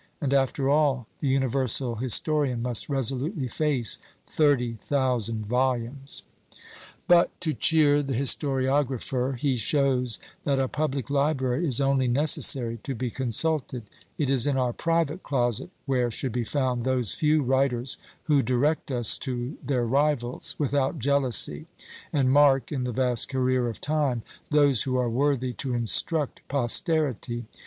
And, after all, the universal historian must resolutely face thirty thousand volumes! But to cheer the historiographer, he shows, that a public library is only necessary to be consulted; it is in our private closet where should be found those few writers who direct us to their rivals, without jealousy, and mark, in the vast career of time, those who are worthy to instruct posterity.